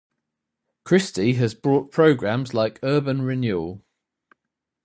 Christie has brought programmes like Urban Renewal.